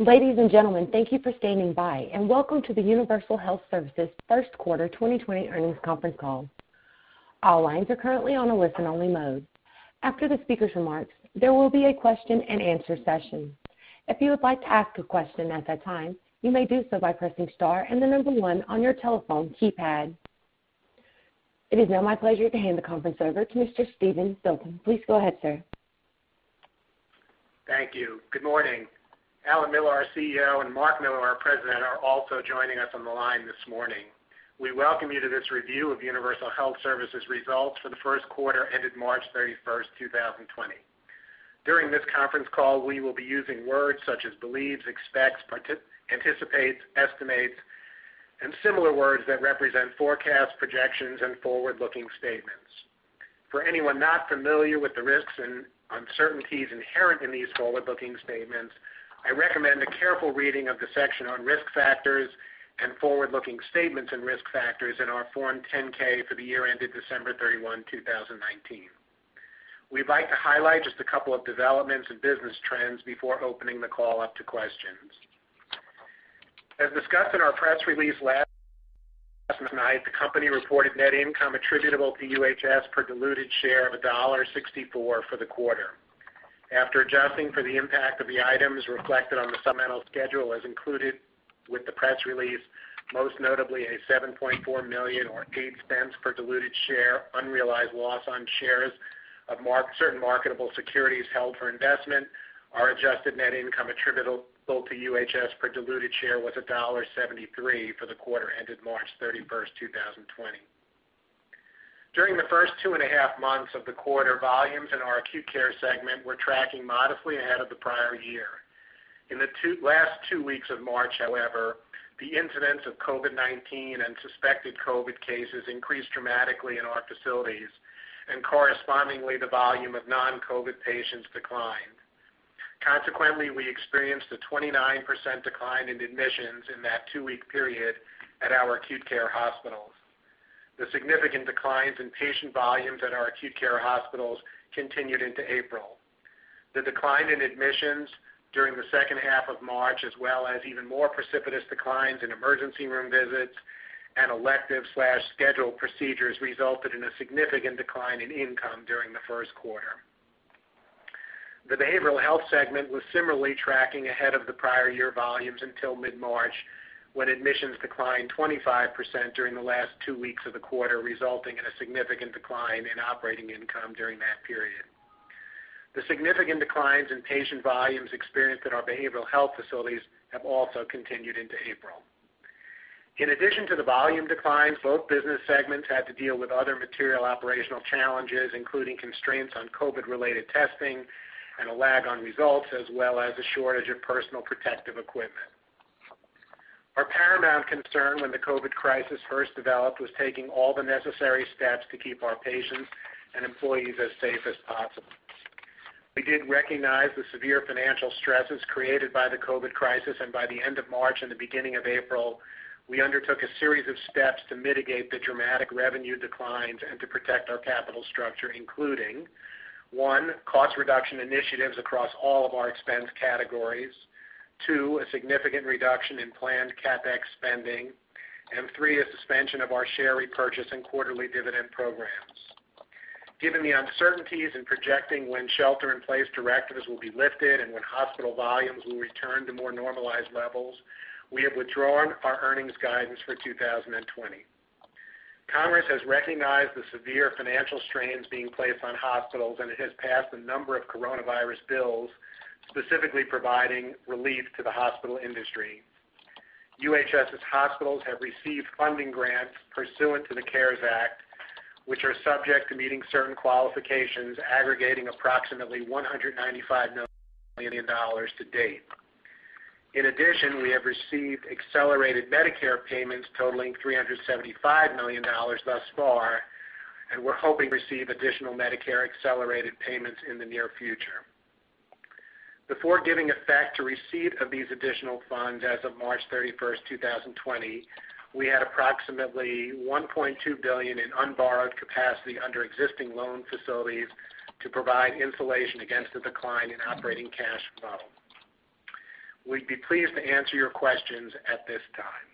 Ladies and gentlemen, thank you for standing by, and welcome to the Universal Health Services First Quarter 2020 earnings conference call. All lines are currently on a listen-only mode. After the speaker's remarks, there will be a question and answer session. If you would like to ask a question at that time, you may do so by pressing star and the number 1 on your telephone keypad. It is now my pleasure to hand the conference over to Mr. Steve Filton. Please go ahead, sir. Thank you. Good morning. Alan Miller, our CEO, and Marc Miller, our President, are also joining us on the line this morning. We welcome you to this review of Universal Health Services results for the first quarter ended March 31st, 2020. During this conference call, we will be using words such as believes, expects, anticipates, estimates, and similar words that represent forecasts, projections and forward-looking statements. For anyone not familiar with the risks and uncertainties inherent in these forward-looking statements, I recommend a careful reading of the section on risk factors and forward-looking statements and risk factors in our Form 10-K for the year ended December 31, 2019. We'd like to highlight just a couple of developments and business trends before opening the call up to questions. As discussed in our press release last night, the company reported net income attributable to UHS per diluted share of $1.64 for the quarter. After adjusting for the impact of the items reflected on the supplemental schedule as included with the press release, most notably a $7.4 million, or $0.08 per diluted share unrealized loss on shares of certain marketable securities held for investment, our adjusted net income attributable to UHS per diluted share was $1.73 for the quarter ended March 31st, 2020. During the first two and a half months of the quarter, volumes in our acute care segment were tracking modestly ahead of the prior year. In the last two weeks of March, however, the incidence of COVID-19 and suspected COVID cases increased dramatically in our facilities, and correspondingly, the volume of non-COVID patients declined. Consequently, we experienced a 29% decline in admissions in that two-week period at our acute care hospitals. The significant declines in patient volumes at our acute care hospitals continued into April. The decline in admissions during the second half of March, as well as even more precipitous declines in emergency room visits and elective/scheduled procedures, resulted in a significant decline in income during the first quarter. The behavioral health segment was similarly tracking ahead of the prior year volumes until mid-March, when admissions declined 25% during the last two weeks of the quarter, resulting in a significant decline in operating income during that period. The significant declines in patient volumes experienced at our behavioral health facilities have also continued into April. In addition to the volume declines, both business segments had to deal with other material operational challenges, including constraints on COVID-related testing and a lag on results, as well as a shortage of personal protective equipment. Our paramount concern when the COVID crisis first developed was taking all the necessary steps to keep our patients and employees as safe as possible. We did recognize the severe financial stresses created by the COVID crisis, and by the end of March and the beginning of April, we undertook a series of steps to mitigate the dramatic revenue declines and to protect our capital structure, including, one, cost reduction initiatives across all of our expense categories. Two, a significant reduction in planned CapEx spending, and three, a suspension of our share repurchase and quarterly dividend programs. Given the uncertainties in projecting when shelter-in-place directives will be lifted and when hospital volumes will return to more normalized levels, we have withdrawn our earnings guidance for 2020. Congress has recognized the severe financial strains being placed on hospitals, and it has passed a number of coronavirus bills specifically providing relief to the hospital industry. UHS's hospitals have received funding grants pursuant to the CARES Act, which are subject to meeting certain qualifications aggregating approximately $195 million to date. In addition, we have received accelerated Medicare payments totaling $375 million thus far, and we're hoping to receive additional Medicare accelerated payments in the near future. Before giving effect to receipt of these additional funds as of March 31st, 2020, we had approximately $1.2 billion in unborrowed capacity under existing loan facilities to provide insulation against the decline in operating cash flow. We'd be pleased to answer your questions at this time.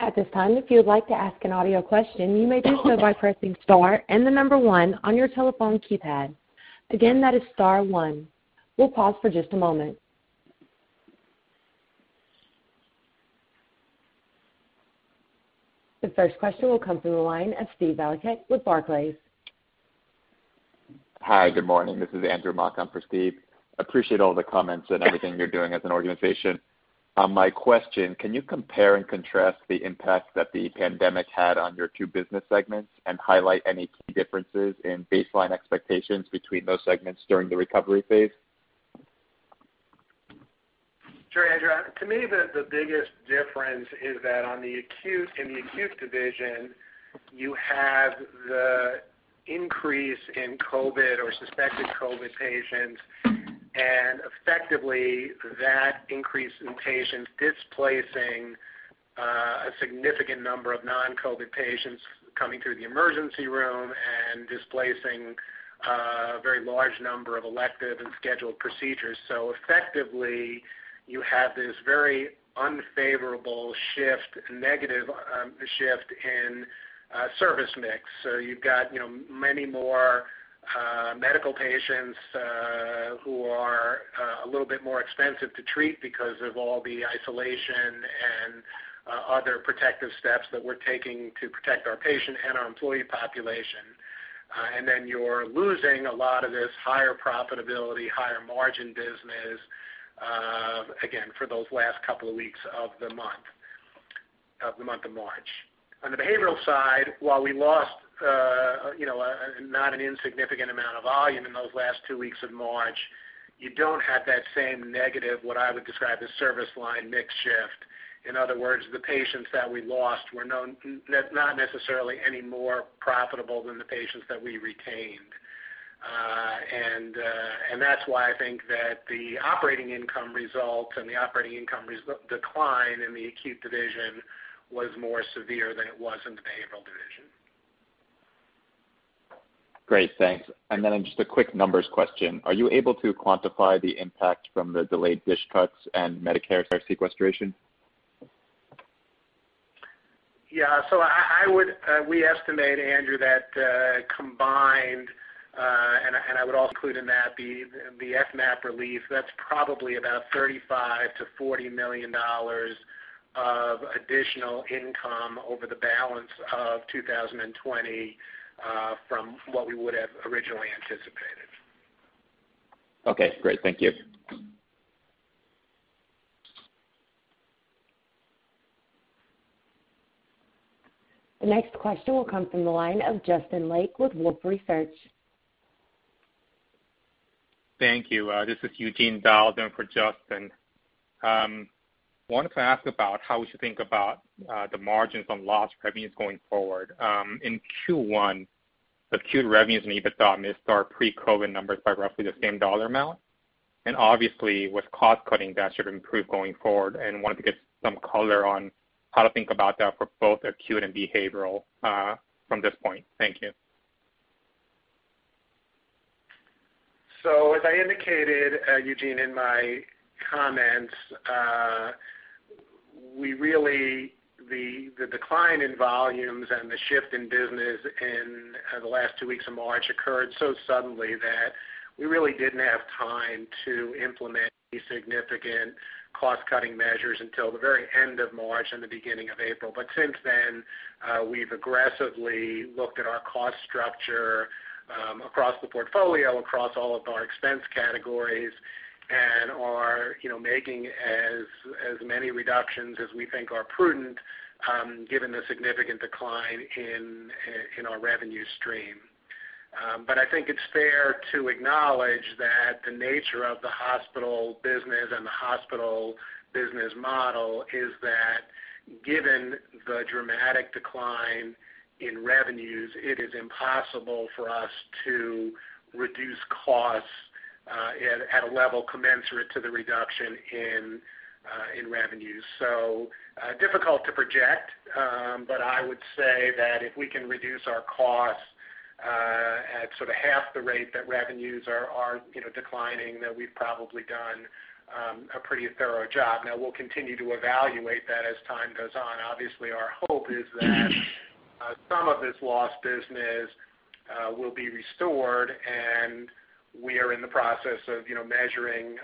At this time, if you would like to ask an audio question, you may do so by pressing star and the number one on your telephone keypad. That is star one. We'll pause for just a moment. The first question will come from the line of Steve Valiquette with Barclays. Hi, good morning. This is Andrew Mock on for Steve. Appreciate all the comments and everything you're doing as an organization. My question, can you compare and contrast the impact that the pandemic had on your two business segments and highlight any key differences in baseline expectations between those segments during the recovery phase? Sure, Andrew. To me, the biggest difference is that in the acute division, you have the increase in COVID or suspected COVID patients. Effectively, that increase in patients displacing a significant number of non-COVID patients coming through the emergency room and displacing a very large number of elective and scheduled procedures. Effectively, you have this very unfavorable shift, negative shift in service mix. You've got many more medical patients who are a little bit more expensive to treat because of all the isolation and other protective steps that we're taking to protect our patient and our employee population. Then you're losing a lot of this higher profitability, higher margin business, again, for those last couple of weeks of the month of March. On the behavioral side, while we lost not an insignificant amount of volume in those last two weeks of March, you don't have that same negative, what I would describe as service line mix shift. In other words, the patients that we lost were not necessarily any more profitable than the patients that we retained. That's why I think that the operating income results and the operating income decline in the acute division was more severe than it was in the behavioral division. Great, thanks. Just a quick numbers question. Are you able to quantify the impact from the delayed DSH cuts and Medicare sequestration? Yeah. We estimate, Andrew, that combined, and I would also include in that the FMAP relief, that's probably about $35 million-$40 million of additional income over the balance of 2020 from what we would have originally anticipated. Okay, great. Thank you. The next question will come from the line of Justin Lake with Wolfe Research. Thank you. This is Eugene Do in for Justin. Wanted to ask about how we should think about the margins on lost revenues going forward. In Q1, acute revenues and EBITDA missed our pre-COVID numbers by roughly the same dollar amount. Obviously with cost cutting, that should improve going forward and wanted to get some color on how to think about that for both acute and behavioral from this point. Thank you. As I indicated, Eugene, in my comments, the decline in volumes and the shift in business in the last two weeks of March occurred so suddenly that we really didn't have time to implement any significant cost-cutting measures until the very end of March and the beginning of April. Since then, we've aggressively looked at our cost structure across the portfolio, across all of our expense categories and are making as many reductions as we think are prudent given the significant decline in our revenue stream. I think it's fair to acknowledge that the nature of the hospital business and the hospital business model is that given the dramatic decline in revenues, it is impossible for us to reduce costs at a level commensurate to the reduction in revenues. Difficult to project, but I would say that if we can reduce our costs at sort of half the rate that revenues are declining, then we've probably done a pretty thorough job. We'll continue to evaluate that as time goes on. Obviously, our hope is that some of this lost business will be restored, and we are in the process of measuring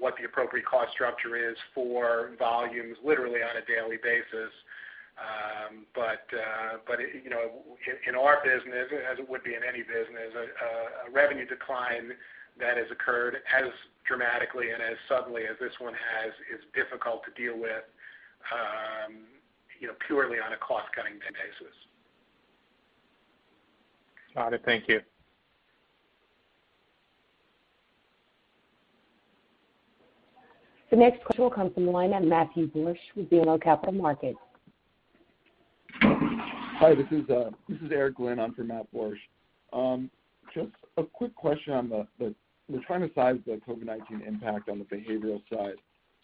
what the appropriate cost structure is for volumes literally on a daily basis. In our business, as it would be in any business, a revenue decline that has occurred as dramatically and as suddenly as this one has, is difficult to deal with purely on a cost-cutting basis. Got it. Thank you. The next question will come from the line of Matthew Bush with BMO Capital Markets. Hi, this is Eric Glenn. I'm for Matt Bush. Just a quick question. We're trying to size the COVID-19 impact on the behavioral side,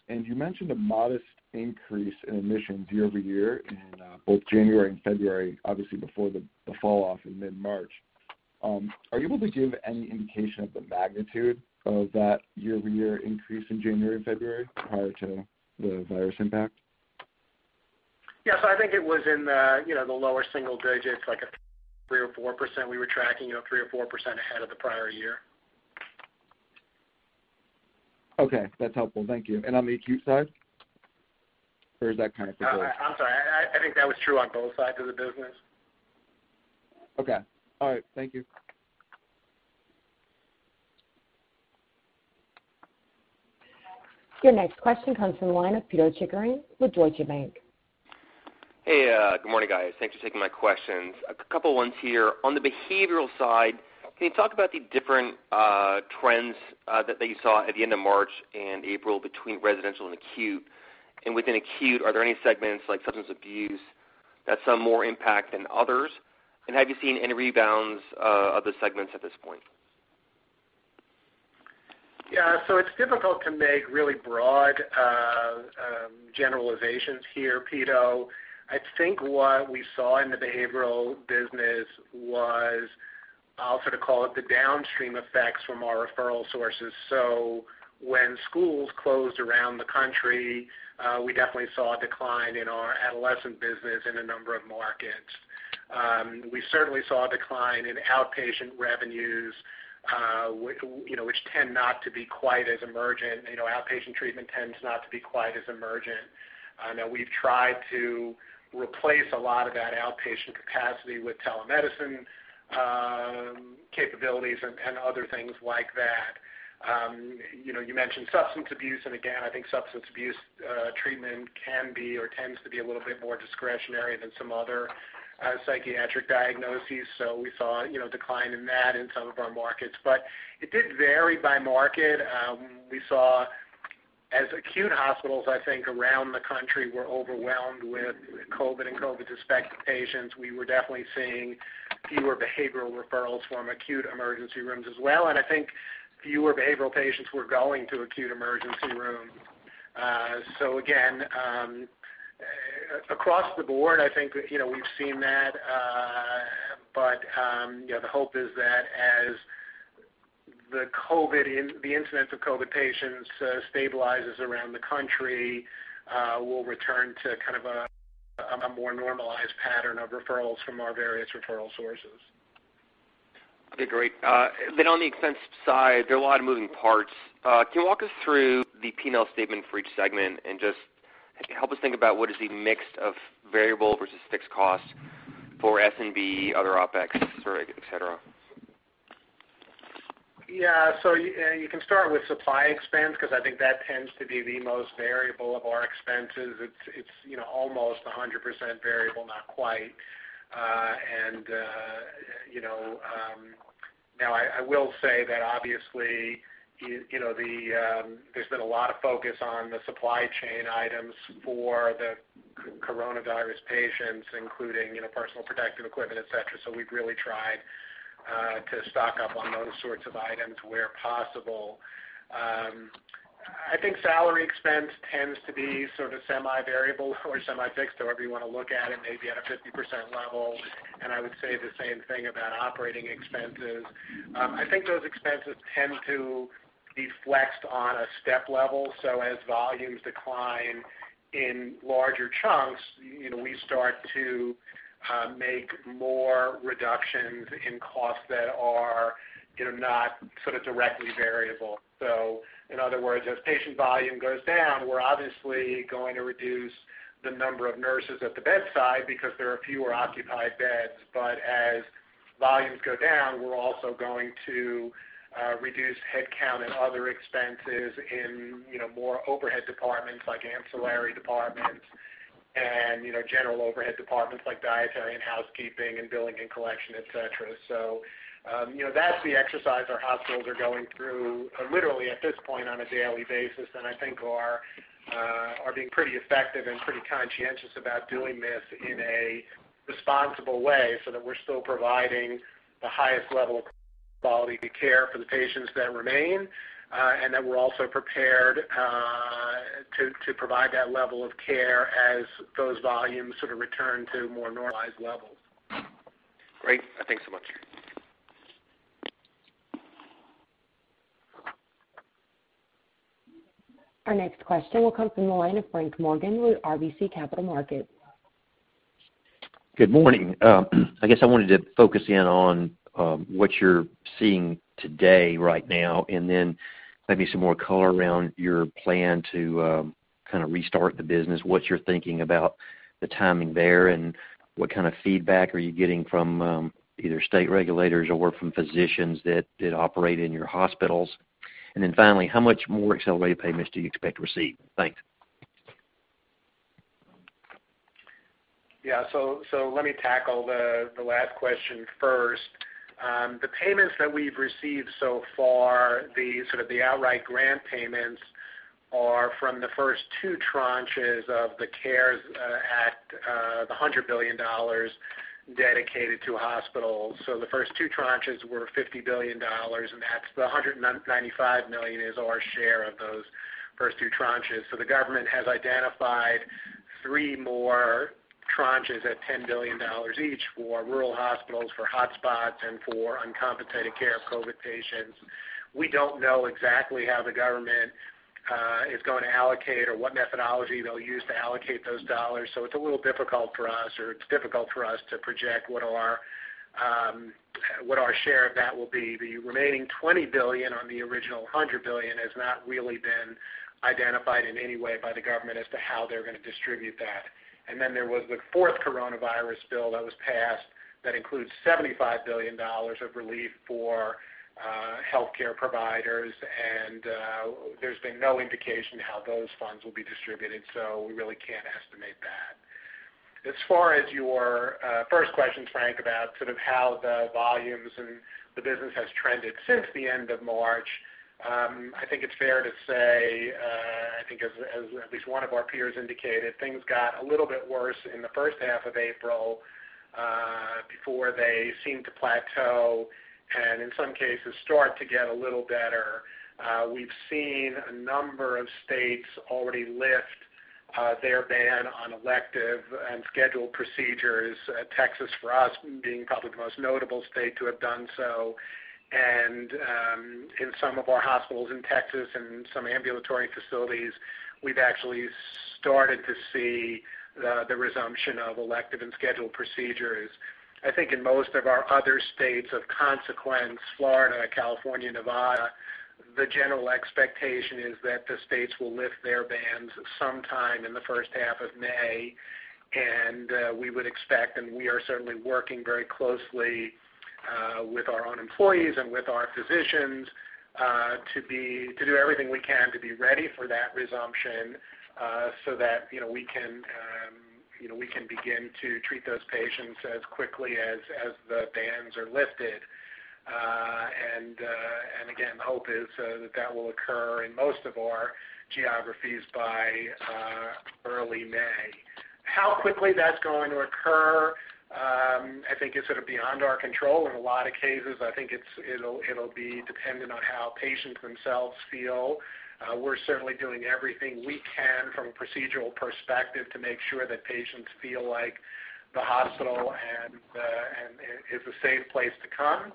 and you mentioned a modest increase in admissions year-over-year in both January and February, obviously before the fall-off in mid-March. Are you able to give any indication of the magnitude of that year-over-year increase in January and February prior to the virus impact? Yes, I think it was in the lower single digits, like a 3% or 4%. We were tracking 3% or 4% ahead of the prior year. Okay, that's helpful. Thank you. On the acute side? Is that kind of similar? I'm sorry. I think that was true on both sides of the business. Okay. All right. Thank you. Your next question comes from the line of Pito Chickering with Deutsche Bank. Hey, good morning, guys. Thanks for taking my questions. A couple ones here. On the behavioral side, can you talk about the different trends that you saw at the end of March and April between residential and acute? Within acute, are there any segments like substance abuse that some more impact than others? Have you seen any rebounds of the segments at this point? Yeah. It's difficult to make really broad generalizations here, Pito. I think what we saw in the behavioral business was, I'll sort of call it the downstream effects from our referral sources. When schools closed around the country, we definitely saw a decline in our adolescent business in a number of markets. We certainly saw a decline in outpatient revenues which tend not to be quite as emergent. Outpatient treatment tends not to be quite as emergent. Now we've tried to replace a lot of that outpatient capacity with telemedicine capabilities and other things like that. You mentioned substance abuse, and again, I think substance abuse treatment can be, or tends to be a little bit more discretionary than some other psychiatric diagnoses. We saw a decline in that in some of our markets. It did vary by market. We saw as acute hospitals, I think, around the country were overwhelmed with COVID and COVID-suspect patients. We were definitely seeing fewer behavioral referrals from acute emergency rooms as well. I think fewer behavioral patients were going to acute emergency rooms. Again, across the board, I think we've seen that. The hope is that as the incidence of COVID patients stabilizes around the country, we'll return to kind of a more normalized pattern of referrals from our various referral sources. Okay, great. On the expense side, there are a lot of moving parts. Can you walk us through the P&L statement for each segment and just help us think about what is the mix of variable versus fixed costs for S&B, other OPEX, et cetera? Yeah. You can start with supply expense, because I think that tends to be the most variable of our expenses. It's almost 100% variable, not quite. Now I will say that obviously, there's been a lot of focus on the supply chain items for the coronavirus patients, including personal protective equipment, et cetera. We've really tried to stock up on those sorts of items where possible. I think salary expense tends to be sort of semi-variable or semi-fixed, however you want to look at it, maybe at a 50% level. I would say the same thing about operating expenses. I think those expenses tend to be flexed on a step level. As volumes decline in larger chunks, we start to make more reductions in costs that are not sort of directly variable. In other words, as patient volume goes down, we're obviously going to reduce the number of nurses at the bedside because there are fewer occupied beds. As volumes go down, we're also going to reduce headcount and other expenses in more overhead departments like ancillary departments and general overhead departments like dietary and housekeeping and billing and collection, et cetera. That's the exercise our hospitals are going through literally at this point on a daily basis and I think are being pretty effective and pretty conscientious about doing this in a responsible way so that we're still providing the highest level of quality care for the patients that remain. That we're also prepared to provide that level of care as those volumes sort of return to more normalized levels. Great. Thanks so much. Our next question will come from the line of Frank Morgan with RBC Capital Markets. Good morning. I guess I wanted to focus in on what you're seeing today right now, and then maybe some more color around your plan to kind of restart the business, what you're thinking about the timing there, and what kind of feedback are you getting from either state regulators or from physicians that operate in your hospitals. Finally, how much more accelerated payments do you expect to receive? Thanks. Yeah. Let me tackle the last question first. The payments that we've received so far, the sort of the outright grant payments, are from the first two tranches of the CARES Act, the $100 billion dedicated to hospitals. The first two tranches were $50 billion, and the $195 million is our share of those first two tranches. The government has identified three more tranches at $10 billion each for rural hospitals, for hotspots, and for uncompensated care of COVID patients. We don't know exactly how the government is going to allocate or what methodology they'll use to allocate those dollars, so it's a little difficult for us, or it's difficult for us to project what our share of that will be. The remaining $20 billion on the original $100 billion has not really been identified in any way by the government as to how they're going to distribute that. There was the fourth coronavirus bill that was passed that includes $75 billion of relief for healthcare providers, and there's been no indication how those funds will be distributed. We really can't estimate that. As far as your first question, Frank, about sort of how the volumes and the business has trended since the end of March. I think it's fair to say, I think as at least one of our peers indicated, things got a little bit worse in the first half of April, before they seemed to plateau and in some cases start to get a little better. We've seen a number of states already lift their ban on elective and scheduled procedures. Texas, for us, being probably the most notable state to have done so. In some of our hospitals in Texas and some ambulatory facilities, we've actually started to see the resumption of elective and scheduled procedures. I think in most of our other states of consequence, Florida, California, Nevada, the general expectation is that the states will lift their bans sometime in the first half of May. We would expect, and we are certainly working very closely with our own employees and with our physicians, to do everything we can to be ready for that resumption, so that we can begin to treat those patients as quickly as the bans are lifted. Again, the hope is that that will occur in most of our geographies by early May. How quickly that's going to occur, I think is sort of beyond our control. In a lot of cases, I think it'll be dependent on how patients themselves feel. We're certainly doing everything we can from a procedural perspective to make sure that patients feel like the hospital is a safe place to come,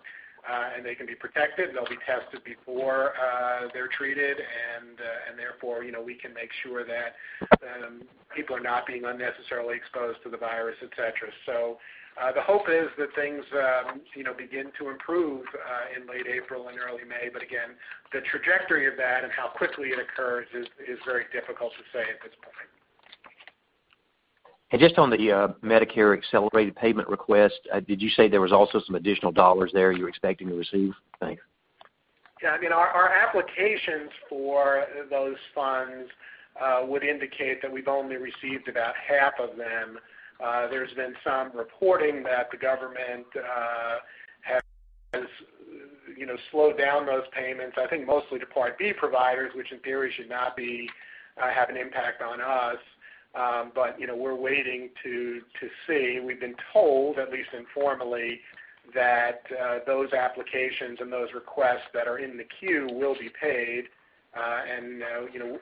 and they can be protected, and they'll be tested before they're treated, and therefore, we can make sure that people are not being unnecessarily exposed to the virus, et cetera. The hope is that things begin to improve in late April and early May, but again, the trajectory of that and how quickly it occurs is very difficult to say at this point. Just on the Medicare accelerated payment request, did you say there was also some additional dollars there you're expecting to receive? Thanks. Yeah. Our applications for those funds would indicate that we've only received about half of them. There's been some reporting that the government has slowed down those payments, I think mostly to Part B providers, which in theory should not have an impact on us. We're waiting to see. We've been told, at least informally, that those applications and those requests that are in the queue will be paid, and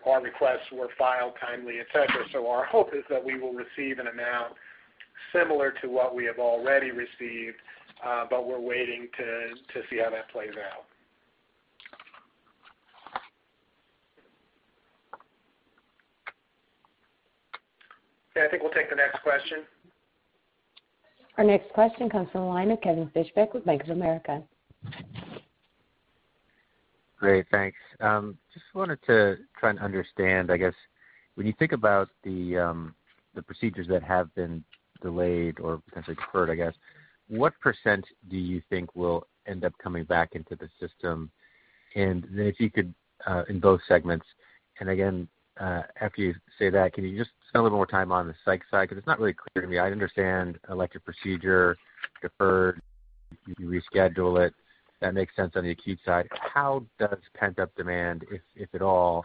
our requests were filed timely, et cetera. Our hope is that we will receive an amount similar to what we have already received, but we're waiting to see how that plays out. Okay. I think we'll take the next question. Our next question comes from the line of Kevin Fischbeck with Bank of America. Great. Thanks. Just wanted to try and understand, I guess, when you think about the procedures that have been delayed or potentially deferred, I guess, what percent do you think will end up coming back into the system? If you could, in both segments, and again, after you say that, can you just spend a little more time on the psych side? It's not really clear to me. I understand elective procedure deferred, you reschedule it. That makes sense on the acute side. How does pent-up demand, if at all,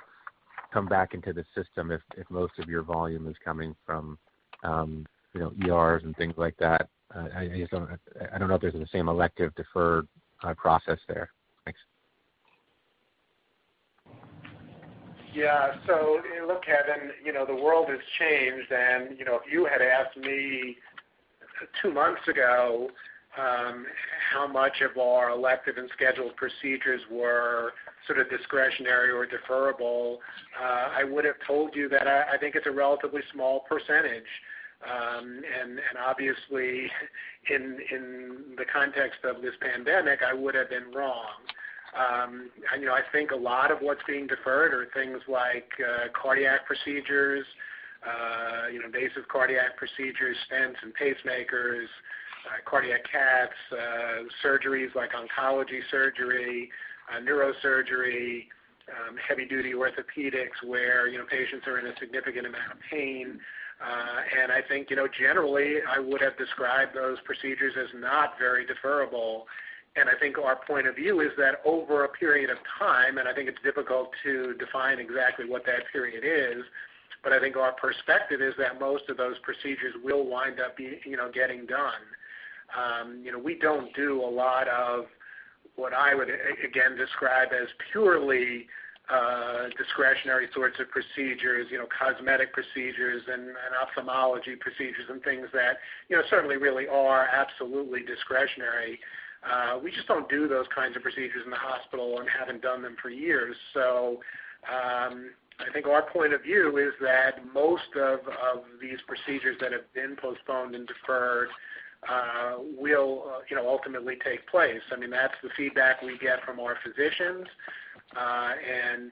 come back into the system if most of your volume is coming from ERs and things like that? I don't know if there's the same elective deferred process there. Thanks. Yeah. Look, Kevin, the world has changed and if you had asked me two months ago, how much of our elective and scheduled procedures were sort of discretionary or deferrable, I would have told you that I think it's a relatively small percentage. Obviously in the context of this pandemic, I would have been wrong. I think a lot of what's being deferred are things like cardiac procedures, invasive cardiac procedures, stents and pacemakers, cardiac caths, surgeries like oncology surgery, neurosurgery, heavy duty orthopedics where patients are in a significant amount of pain. I think, generally I would have described those procedures as not very deferrable. I think our point of view is that over a period of time, and I think it's difficult to define exactly what that period is, but I think our perspective is that most of those procedures will wind up getting done. We don't do a lot of what I would, again, describe as purely discretionary sorts of procedures, cosmetic procedures and ophthalmology procedures and things that certainly really are absolutely discretionary. We just don't do those kinds of procedures in the hospital and haven't done them for years. I think our point of view is that most of these procedures that have been postponed and deferred will ultimately take place. That's the feedback we get from our physicians, and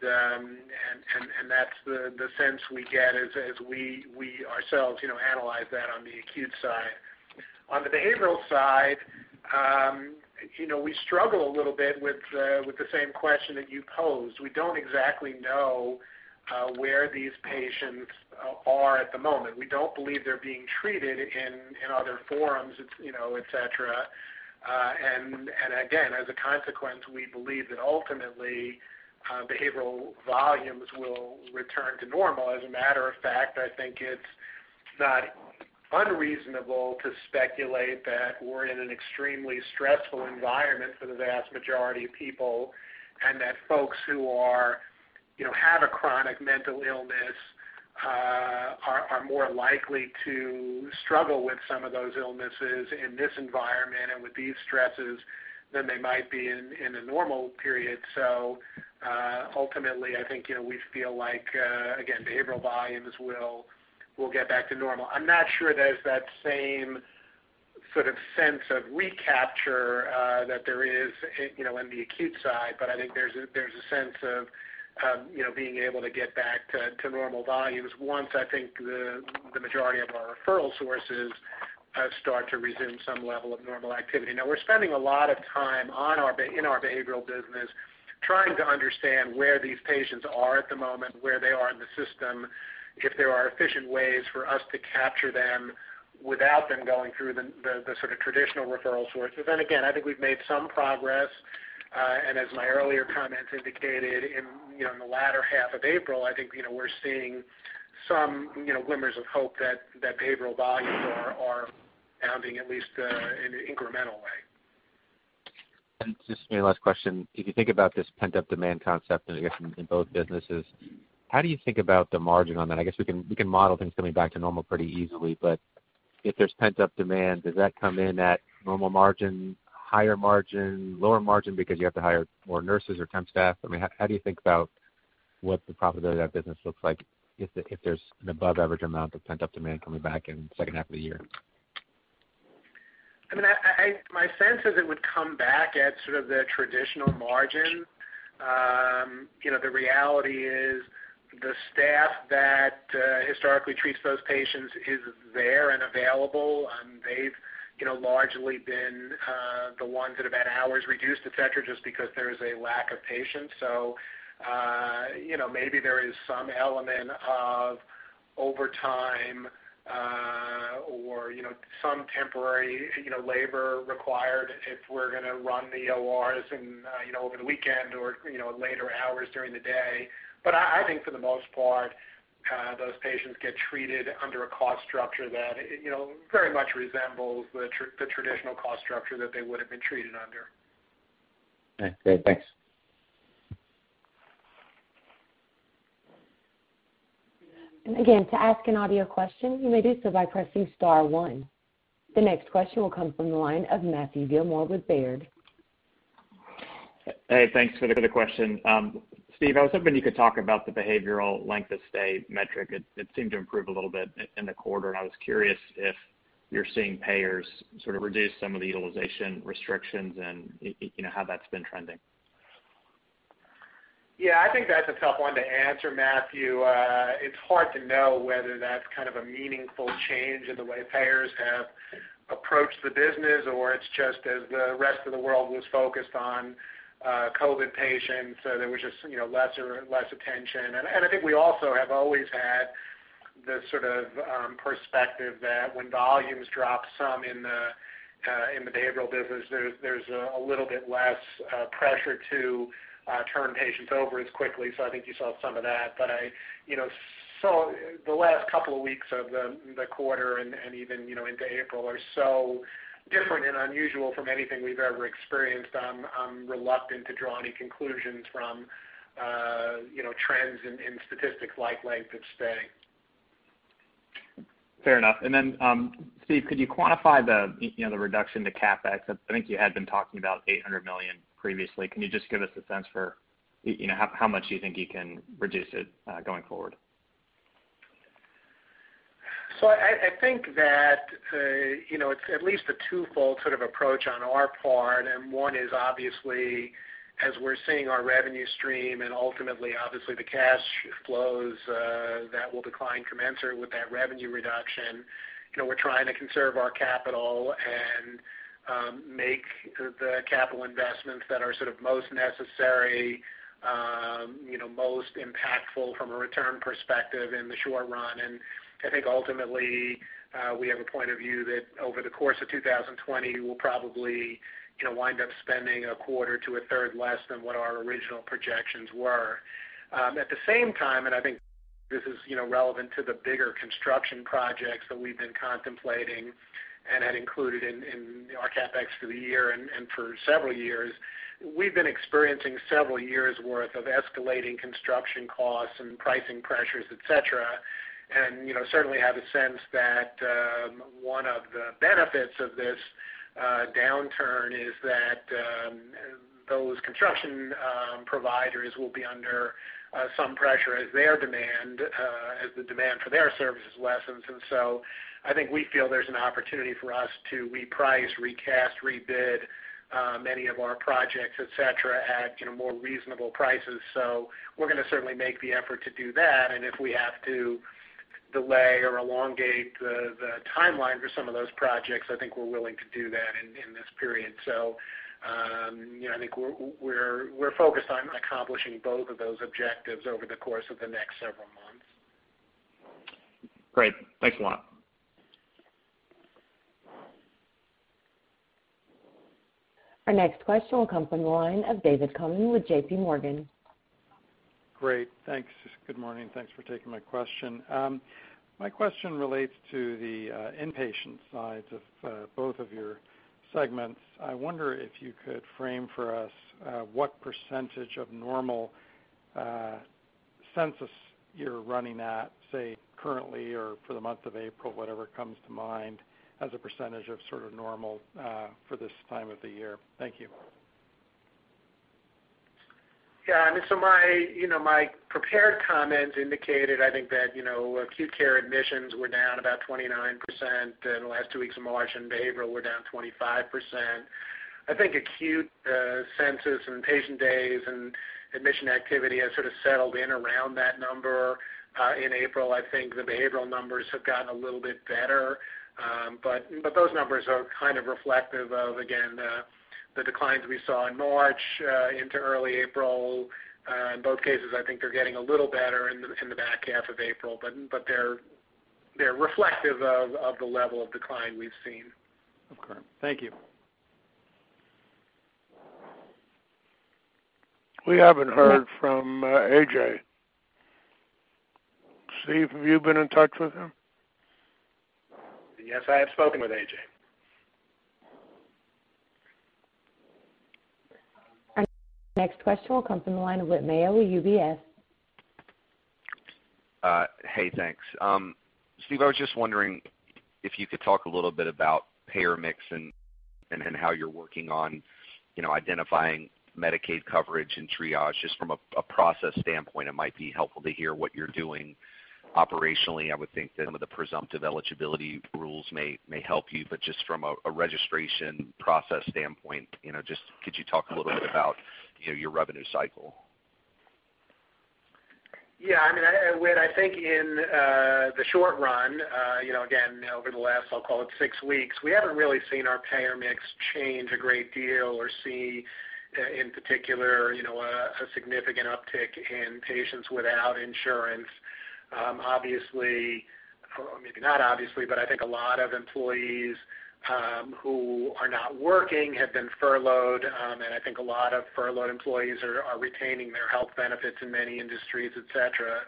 that's the sense we get as we ourselves analyze that on the acute side. On the behavioral side, we struggle a little bit with the same question that you posed. We don't exactly know where these patients are at the moment. We don't believe they're being treated in other forums, et cetera. As a consequence, we believe that ultimately, behavioral volumes will return to normal. As a matter of fact, I think it's not unreasonable to speculate that we're in an extremely stressful environment for the vast majority of people, and that folks who have a chronic mental illness are more likely to struggle with some of those illnesses in this environment and with these stresses than they might be in a normal period. Ultimately, I think we feel like, again, behavioral volumes will get back to normal. I'm not sure there's that same sort of sense of recapture that there is in the acute side. I think there's a sense of being able to get back to normal volumes once, I think, the majority of our referral sources start to resume some level of normal activity. We're spending a lot of time in our behavioral business trying to understand where these patients are at the moment, where they are in the system, if there are efficient ways for us to capture them without them going through the traditional referral sources. Again, I think we've made some progress. As my earlier comments indicated, in the latter half of April, I think we're seeing some glimmers of hope that behavioral volumes are bounding at least in an incremental way. Just my last question. If you think about this pent-up demand concept, I guess, in both businesses, how do you think about the margin on that? I guess we can model things coming back to normal pretty easily, but if there's pent-up demand, does that come in at normal margin, higher margin, lower margin because you have to hire more nurses or temp staff? How do you think about what the profitability of that business looks like if there's an above-average amount of pent-up demand coming back in the second half of the year? My sense is it would come back at sort of the traditional margin. The reality is the staff that historically treats those patients is there and available. They've largely been the ones that have had hours reduced, et cetera, just because there is a lack of patients. Maybe there is some element of overtime or some temporary labor required if we're going to run the ORs over the weekend or later hours during the day. I think for the most part, those patients get treated under a cost structure that very much resembles the traditional cost structure that they would have been treated under. Okay. Great. Thanks. Again, to ask an audio question, you may do so by pressing star one. The next question will come from the line of Matthew Gilmore with Baird. Hey, thanks for the question. Steve, I was hoping you could talk about the behavioral length of stay metric. It seemed to improve a little bit in the quarter. I was curious if you're seeing payers sort of reduce some of the utilization restrictions and how that's been trending. Yeah, I think that's a tough one to answer, Matthew. It's hard to know whether that's kind of a meaningful change in the way payers have approached the business, or it's just as the rest of the world was focused on COVID-19 patients, so there was just lesser attention. I think we also have always had the sort of perspective that when volumes drop some in the behavioral business, there's a little bit less pressure to turn patients over as quickly. I think you saw some of that. The last couple of weeks of the quarter and even into April are so different and unusual from anything we've ever experienced. I'm reluctant to draw any conclusions from trends in statistics like length of stay. Fair enough. Then, Steve, could you quantify the reduction to CapEx? I think you had been talking about $800 million previously. Can you just give us a sense for how much you think you can reduce it going forward? I think that it's at least a twofold sort of approach on our part. One is, obviously, as we're seeing our revenue stream and ultimately obviously the cash flows that will decline commensurate with that revenue reduction, we're trying to conserve our capital and make the capital investments that are sort of most necessary, most impactful from a return perspective in the short run. I think ultimately, we have a point of view that over the course of 2020, we'll probably wind up spending a quarter to a third less than what our original projections were. At the same time, I think this is relevant to the bigger construction projects that we've been contemplating and had included in our CapEx for the year and for several years, we've been experiencing several years' worth of escalating construction costs and pricing pressures, et cetera. Certainly have a sense that one of the benefits of this downturn is that those construction providers will be under some pressure as the demand for their services lessens. I think we feel there's an opportunity for us to reprice, recast, rebid many of our projects, et cetera, at more reasonable prices. We're going to certainly make the effort to do that, and if we have to delay or elongate the timeline for some of those projects, I think we're willing to do that in this period. I think we're focused on accomplishing both of those objectives over the course of the next several months. Great. Thanks a lot. Our next question will come from the line of David Cummings with JPMorgan. Great, thanks. Good morning. Thanks for taking my question. My question relates to the inpatient sides of both of your segments. I wonder if you could frame for us what percentage of normal census you're running at, say, currently or for the month of April, whatever comes to mind, as a percentage of sort of normal for this time of the year. Thank you. Yeah. My prepared comments indicated, I think that acute care admissions were down about 29% in the last two weeks of March, and behavioral were down 25%. I think acute census and patient days and admission activity has sort of settled in around that number. In April, I think the behavioral numbers have gotten a little bit better. Those numbers are kind of reflective of, again, the declines we saw in March into early April. In both cases, I think they're getting a little better in the back half of April, but they're reflective of the level of decline we've seen. Okay. Thank you. We haven't heard from A.J. Steve, have you been in touch with him? Yes, I have spoken with A.J. Our next question will come from the line of Whit Mayo with UBS. Hey, thanks. Steve, I was just wondering if you could talk a little bit about payer mix and how you're working on identifying Medicaid coverage and triage. Just from a process standpoint, it might be helpful to hear what you're doing operationally. I would think that some of the presumptive eligibility rules may help you, but just from a registration process standpoint, could you talk a little bit about your revenue cycle? Yeah. Whit, I think in the short run, again, over the last, I'll call it six weeks, we haven't really seen our payer mix change a great deal or seen, in particular, a significant uptick in patients without insurance. Maybe not obviously, but I think a lot of employees who are not working have been furloughed, I think a lot of furloughed employees are retaining their health benefits in many industries, et cetera.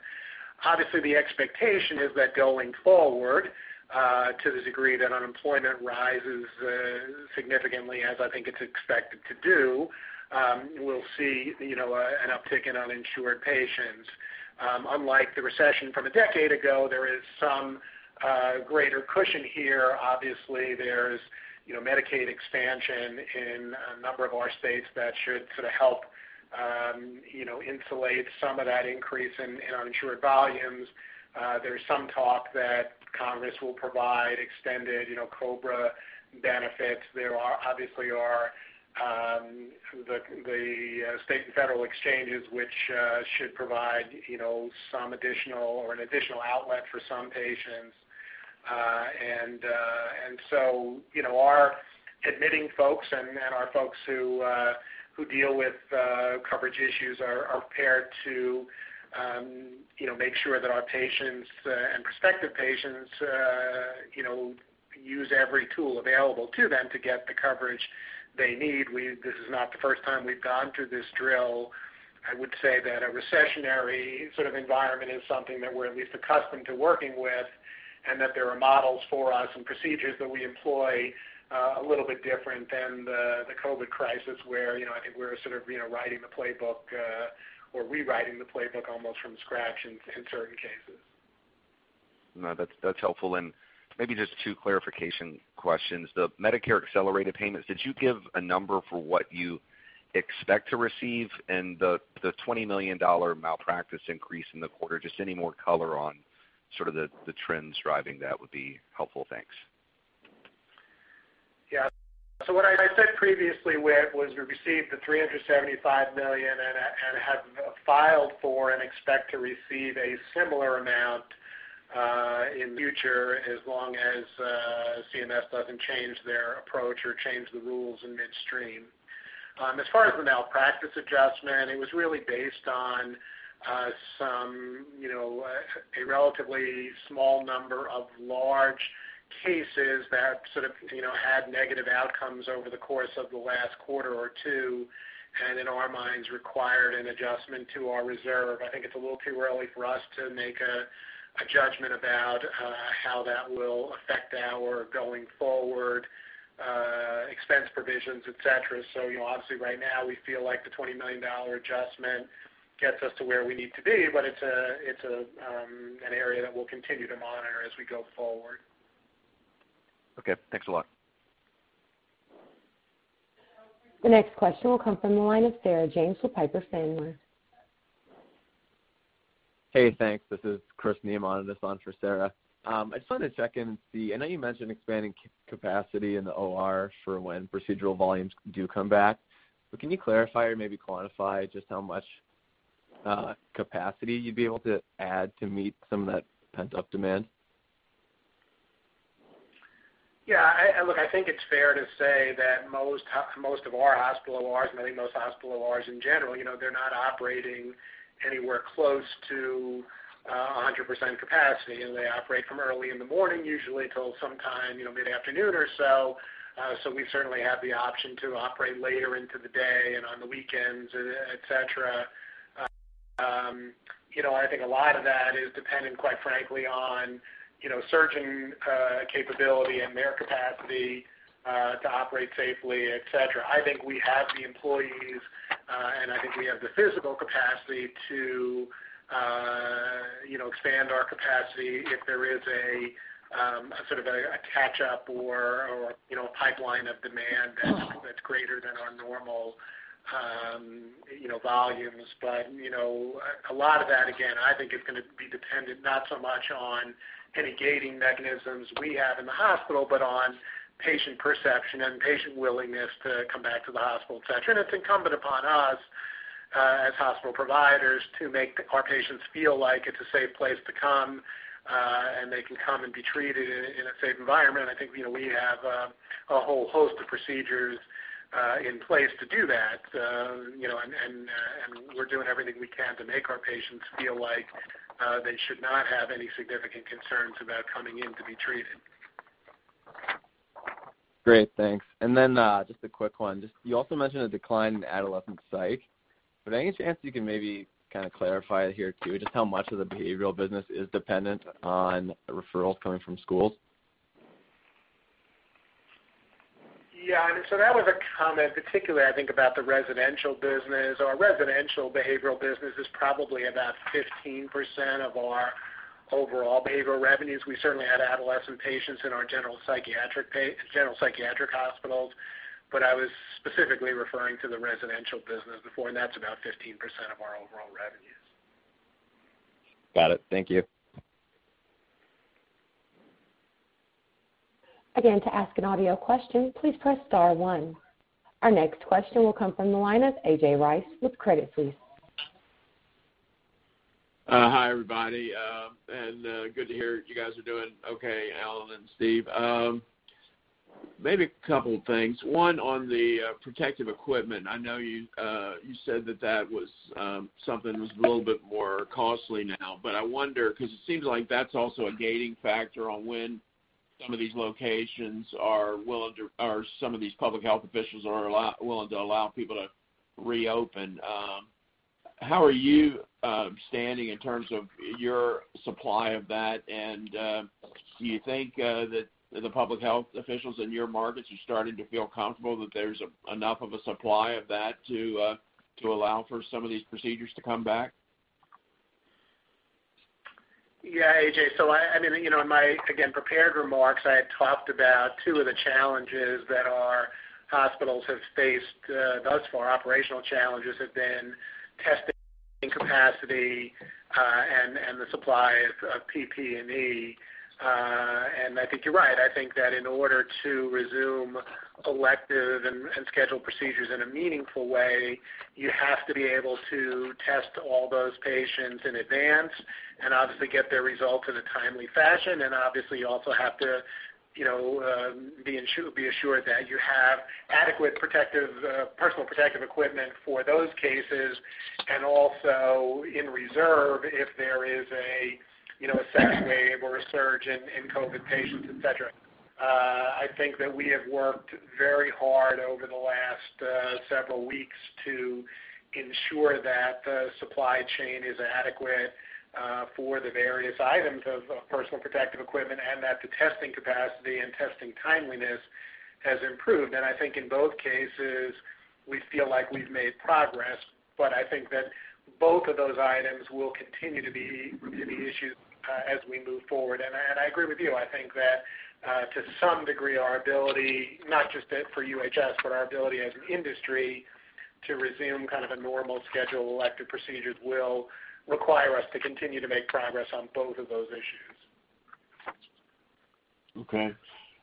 The expectation is that going forward, to the degree that unemployment rises significantly as I think it's expected to do, we'll see an uptick in uninsured patients. Unlike the recession from a decade ago, there is some greater cushion here. There's Medicaid expansion in a number of our states that should sort of help insulate some of that increase in uninsured volumes. There's some talk that Congress will provide extended COBRA benefits. There obviously are the state and federal exchanges, which should provide some additional or an additional outlet for some patients. So our admitting folks and our folks who deal with coverage issues are prepared to make sure that our patients and prospective patients use every tool available to them to get the coverage they need. This is not the first time we've gone through this drill. I would say that a recessionary sort of environment is something that we're at least accustomed to working with, and that there are models for us and procedures that we employ a little bit different than the COVID crisis, where I think we're sort of writing the playbook or rewriting the playbook almost from scratch in certain cases. No, that's helpful. Maybe just two clarification questions. The Medicare accelerated payments, did you give a number for what you expect to receive? The $20 million malpractice increase in the quarter, just any more color on sort of the trends driving that would be helpful. Thanks. Yeah. What I said previously, Whit, was we received the $375 million and have filed for and expect to receive a similar amount in the future, as long as CMS doesn't change their approach or change the rules in midstream. As far as the malpractice adjustment, it was really based on a relatively small number of large cases that sort of had negative outcomes over the course of the last quarter or two, and in our minds, required an adjustment to our reserve. I think it's a little too early for us to make a judgment about how that will affect our going-forward expense provisions, et cetera. Obviously right now we feel like the $20 million adjustment gets us to where we need to be, but it's an area that we'll continue to monitor as we go forward. Okay. Thanks a lot. The next question will come from the line of Sarah James with Piper Sandler. Hey, thanks. This is Chris Neamon, just on for Sarah. I just wanted to check and see, I know you mentioned expanding capacity in the OR for when procedural volumes do come back, but can you clarify or maybe quantify just how much capacity you'd be able to add to meet some of that pent-up demand? Look, I think it's fair to say that most of our hospital ORs, and I think most hospital ORs in general, they're not operating anywhere close to 100% capacity. They operate from early in the morning usually till sometime mid-afternoon or so. We certainly have the option to operate later into the day and on the weekends, et cetera. A lot of that is dependent, quite frankly, on surgeon capability and their capacity to operate safely, et cetera. We have the employees, and I think we have the physical capacity to expand our capacity if there is a catch-up or a pipeline of demand that's greater than our normal volumes. A lot of that, again, I think is going to be dependent not so much on any gating mechanisms we have in the hospital, but on patient perception and patient willingness to come back to the hospital, et cetera. It's incumbent upon us, as hospital providers, to make our patients feel like it's a safe place to come, and they can come and be treated in a safe environment. I think we have a whole host of procedures in place to do that. We're doing everything we can to make our patients feel like they should not have any significant concerns about coming in to be treated. Great, thanks. Just a quick one. You also mentioned a decline in adolescent psych. Any chance you can maybe clarify it here, too, just how much of the behavioral business is dependent on referrals coming from schools? That was a comment, particularly I think about the residential business. Our residential behavioral business is probably about 15% of our overall behavioral revenues. We certainly had adolescent patients in our general psychiatric hospitals, but I was specifically referring to the residential business before, and that's about 15% of our overall revenues. Got it. Thank you. To ask an audio question, please press star one. Our next question will come from the line of A.J. Rice with Credit Suisse. Hi, everybody, and good to hear you guys are doing okay, Alan and Steve. Maybe a couple of things. One, on the protective equipment. I know you said that that was something that was a little bit more costly now, I wonder, because it seems like that's also a gating factor on when some of these public health officials are willing to allow people to reopen. How are you standing in terms of your supply of that? Do you think that the public health officials in your markets are starting to feel comfortable that there's enough of a supply of that to allow for some of these procedures to come back? A.J. In my, again, prepared remarks, I had talked about two of the challenges that our hospitals have faced thus far. Operational challenges have been testing capacity and the supply of PPE. I think you're right. I think that in order to resume elective and scheduled procedures in a meaningful way, you have to be able to test all those patients in advance and obviously get their results in a timely fashion. Obviously, you also have to be assured that you have adequate personal protective equipment for those cases and also in reserve if there is a second wave or a surge in COVID-19 patients, et cetera. I think that we have worked very hard over the last several weeks to ensure that the supply chain is adequate for the various items of personal protective equipment and that the testing capacity and testing timeliness has improved. I think in both cases, we feel like we've made progress. I think that both of those items will continue to be issues as we move forward. I agree with you. I think that to some degree, our ability, not just for UHS, but our ability as an industry to resume a normal schedule of elective procedures will require us to continue to make progress on both of those issues. Okay.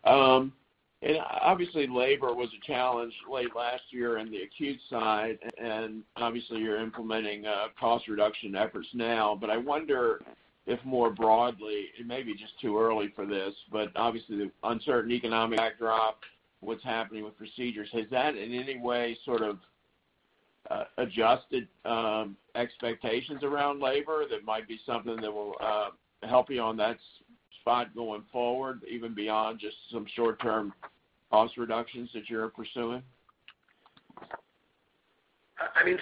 Obviously labor was a challenge late last year on the acute side, and obviously you're implementing cost reduction efforts now. I wonder if more broadly, it may be just too early for this, but obviously the uncertain economic backdrop, what's happening with procedures, has that in any way sort of adjusted expectations around labor that might be something that will help you on that spot going forward, even beyond just some short-term cost reductions that you're pursuing?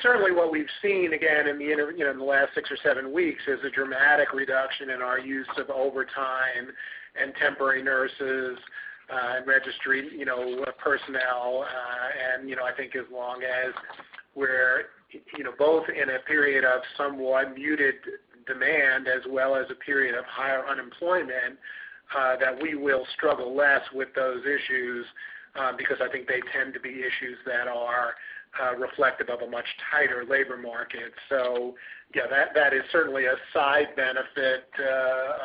Certainly what we've seen, again, in the last six or seven weeks, is a dramatic reduction in our use of overtime and temporary nurses and registry personnel. I think as long as we're both in a period of somewhat muted demand as well as a period of higher unemployment, that we will struggle less with those issues because I think they tend to be issues that are reflective of a much tighter labor market. Yeah, that is certainly a side benefit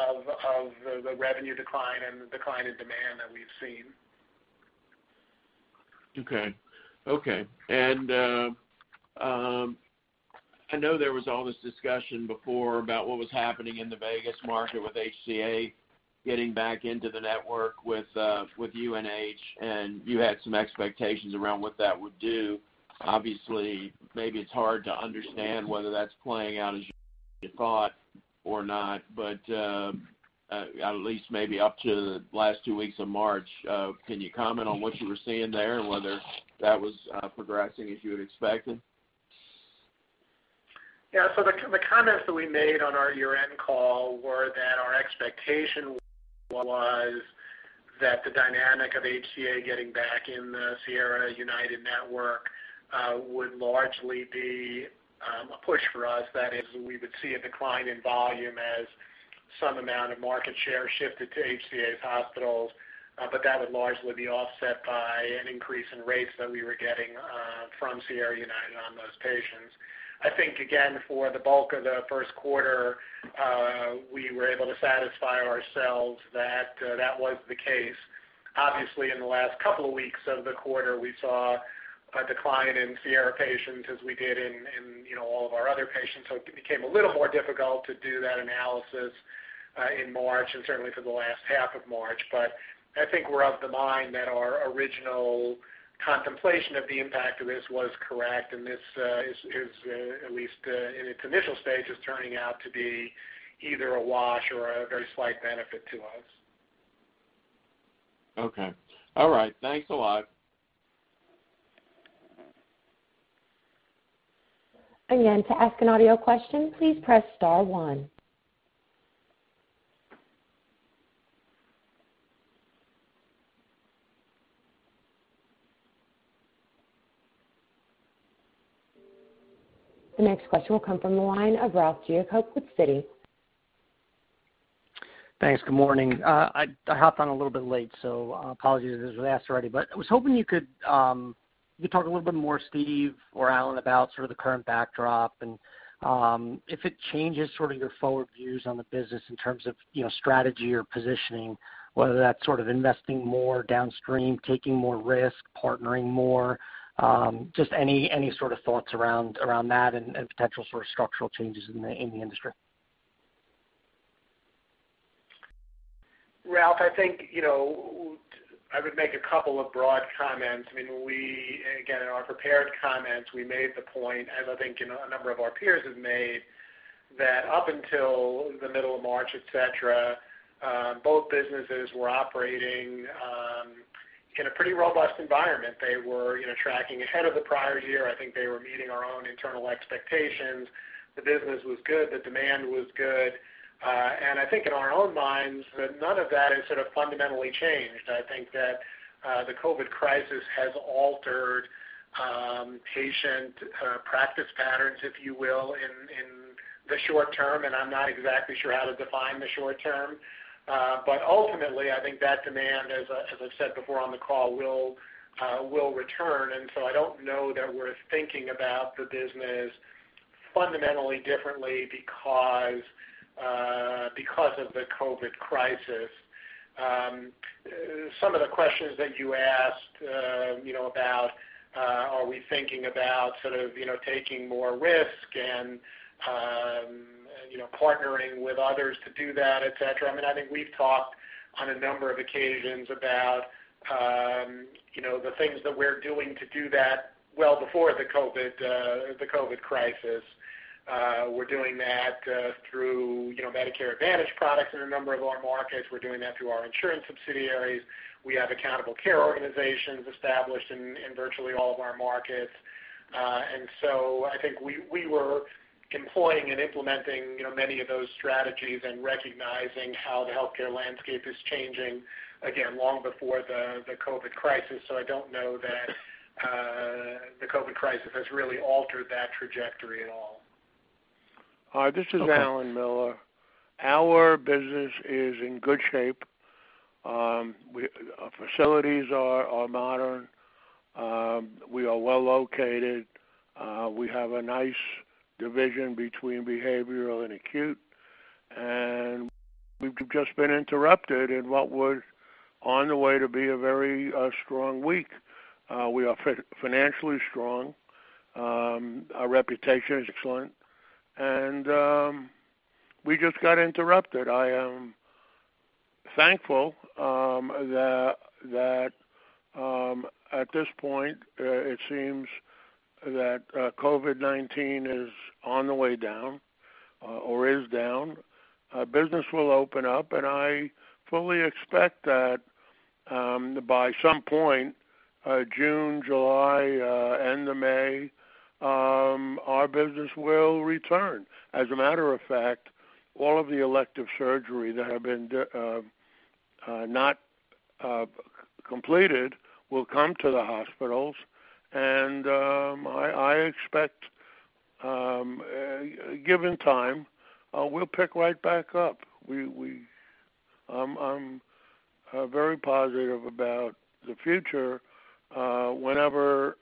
of the revenue decline and the decline in demand that we've seen. Okay. I know there was all this discussion before about what was happening in the Vegas market with HCA getting back into the network with UnitedHealthcare, and you had some expectations around what that would do. Obviously, maybe it's hard to understand whether that's playing out as you thought or not, but at least maybe up to the last two weeks of March, can you comment on what you were seeing there and whether that was progressing as you had expected? The comments that we made on our year-end call were that our expectation was that the dynamic of HCA getting back in the Sierra United network would largely be a push for us. That is, we would see a decline in volume as some amount of market share shifted to HCA's hospitals, but that would largely be offset by an increase in rates that we were getting from Sierra United on those patients. I think, again, for the bulk of the first quarter, we were able to satisfy ourselves that was the case. Obviously, in the last couple of weeks of the quarter, we saw a decline in Sierra patients as we did in all of our other patients. It became a little more difficult to do that analysis in March, and certainly for the last half of March. I think we're of the mind that our original contemplation of the impact of this was correct, and this is, at least in its initial stages, turning out to be either a wash or a very slight benefit to us. Okay. All right. Thanks a lot. Again, to ask an audio question, please press star one. The next question will come from the line of Ralph Giacobbe with Citi. Thanks. Good morning. I hopped on a little bit late, so apologies if this was asked already, but I was hoping you could talk a little bit more, Steve or Alan, about sort of the current backdrop and if it changes sort of your forward views on the business in terms of strategy or positioning, whether that's sort of investing more downstream, taking more risk, partnering more. Just any sort of thoughts around that and potential sort of structural changes in the industry. Ralph, I think, I would make a couple of broad comments. Again, in our prepared comments, we made the point, as I think a number of our peers have made, that up until the middle of March, et cetera, both businesses were operating in a pretty robust environment. They were tracking ahead of the prior year. I think they were meeting our own internal expectations. The business was good, the demand was good. I think in our own minds, none of that has sort of fundamentally changed. I think that the COVID crisis has altered patient practice patterns, if you will, in the short term, and I'm not exactly sure how to define the short term. Ultimately, I think that demand, as I've said before on the call, will return. I don't know that we're thinking about the business fundamentally differently because of the COVID crisis. Some of the questions that you asked, about are we thinking about sort of taking more risk and partnering with others to do that, et cetera, I think we've talked on a number of occasions about the things that we're doing to do that well before the COVID crisis. We're doing that through Medicare Advantage products in a number of our markets. We're doing that through our insurance subsidiaries. We have accountable care organizations established in virtually all of our markets. I think we were employing and implementing many of those strategies and recognizing how the healthcare landscape is changing, again, long before the COVID crisis. I don't know that the COVID crisis has really altered that trajectory at all. Okay. This is Alan Miller. Our business is in good shape. Our facilities are modern. We are well located. We have a nice division between behavioral and acute, and we've just been interrupted in what was on the way to be a very strong week. We are financially strong. Our reputation is excellent, and we just got interrupted. I am thankful that at this point, it seems that COVID-19 is on the way down or is down. Business will open up, and I fully expect that by some point, June, July, end of May, our business will return. As a matter of fact, all of the elective surgeries that have been not completed will come to the hospitals, and I expect, given time, we'll pick right back up. I'm very positive about the future whenever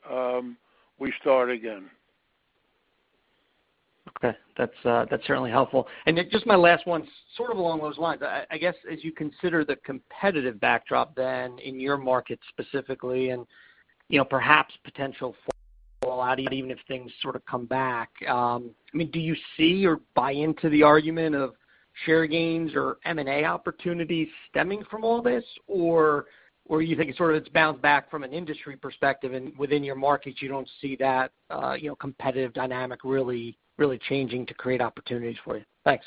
we start again. Okay. That's certainly helpful. Just my last one, sort of along those lines. I guess, as you consider the competitive backdrop then in your market specifically, and perhaps potential even if things sort of come back, do you see or buy into the argument of share gains or M&A opportunities stemming from all this? You think it sort of it's bounced back from an industry perspective and within your market, you don't see that competitive dynamic really changing to create opportunities for you? Thanks.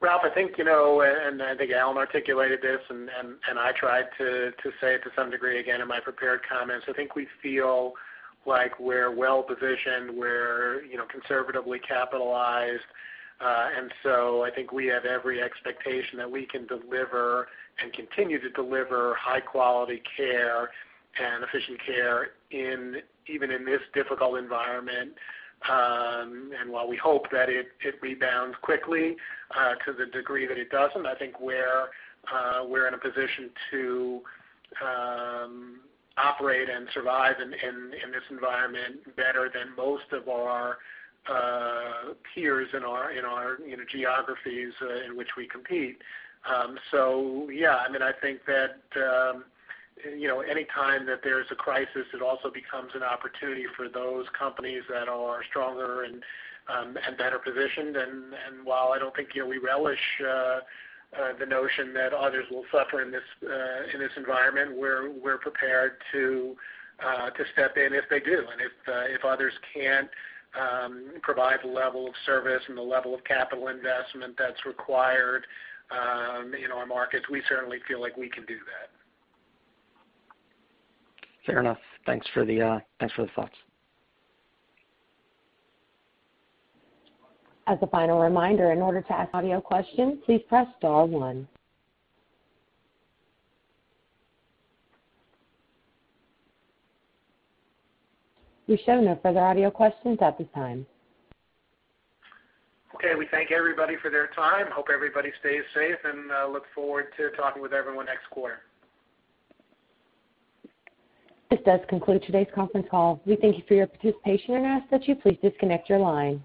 Ralph, I think, and I think Alan articulated this and I tried to say it to some degree again in my prepared comments, I think we feel like we're well-positioned, we're conservatively capitalized. I think we have every expectation that we can deliver and continue to deliver high-quality care and efficient care even in this difficult environment. While we hope that it rebounds quickly, to the degree that it doesn't, I think we're in a position to operate and survive in this environment better than most of our peers in our geographies in which we compete. Yeah, I think that anytime that there's a crisis, it also becomes an opportunity for those companies that are stronger and better positioned. While I don't think we relish the notion that others will suffer in this environment, we're prepared to step in if they do. If others can't provide the level of service and the level of capital investment that's required in our markets, we certainly feel like we can do that. Fair enough. Thanks for the thoughts. As a final reminder, in order to ask audio questions, please press star one. We show no further audio questions at this time. Okay. We thank everybody for their time. Hope everybody stays safe, and look forward to talking with everyone next quarter. This does conclude today's conference call. We thank you for your participation and ask that you please disconnect your line.